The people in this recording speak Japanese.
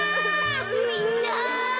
みんな！